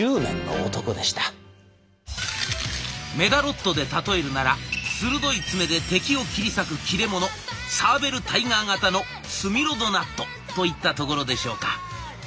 メダロットで例えるなら鋭い爪で敵を切り裂く切れ者サーベルタイガー型のスミロドナッドといったところでしょうか。